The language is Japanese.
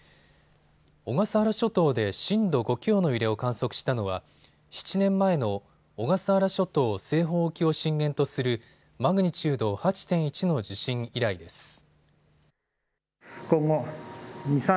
小笠原諸島で震度５強の揺れを観測したのは７年前の小笠原諸島西方沖を震源とするマグニチュード８．１の地震以来です。